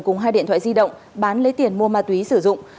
cùng hai điện thoại di động bán lấy tiền mua ma túy sử dụng